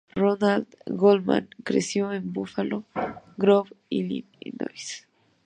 Ronald Goldman creció en Buffalo Grove, Illinois.